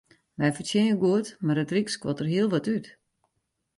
Wy fertsjinje goed, mar it ryk skuort der hiel wat út.